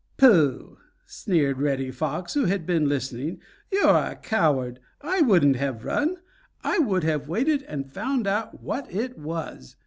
"Pooh!" sneered Reddy Fox, who had been listening. "You're a coward. I wouldn't have run! I would have waited and found out what it was.